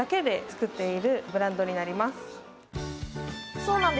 そうなんです。